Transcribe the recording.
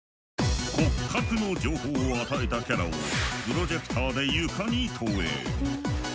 骨格の情報を与えたキャラをプロジェクターで床に投影。